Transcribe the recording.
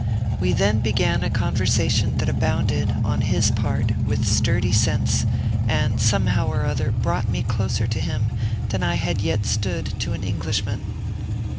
We then began a conversation that abounded, on his part, with sturdy sense, and, somehow or other, brought me closer to him than I had yet stood to an Englishman.